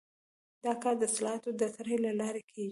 دا کار د اصلاحاتو د طرحې له لارې کیږي.